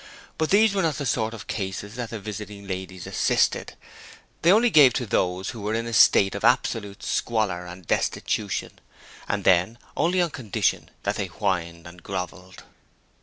But these were not the sort of cases that the visiting ladies assisted; they only gave to those who were in a state of absolute squalor and destitution, and then only on condition that they whined and grovelled.